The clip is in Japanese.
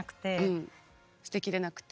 うん捨てきれなくて。